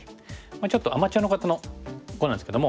ちょっとアマチュアの方の碁なんですけども。